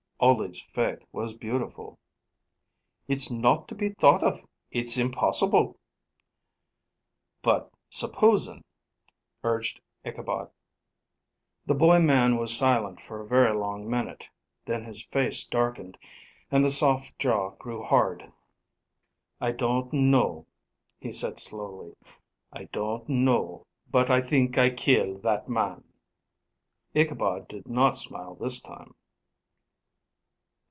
Ole's faith was beautiful. "It's not to be thought of. It's impossible!" "But supposing," urged Ichabod. The boy man was silent for a very long minute; then his face darkened, and the soft jaw grew hard. "I don't know " he said slowly, "I don't know, but I think I kill that man." Ichabod did not smile this time.